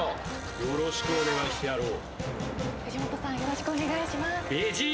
よろしくお願いしてやろう。